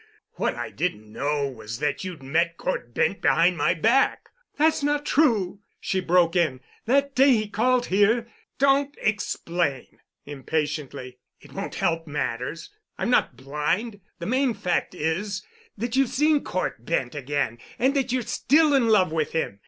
What I didn't know was that you'd met Cort Bent behind my back——" "That is not true," she broke in. "That day he called here——" "Don't explain," impatiently, "it won't help matters. I'm not blind. The main fact is that you've seen Cort Bent again and that you're still in love with him.